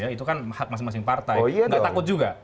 itu kan hak masing masing partai nggak takut juga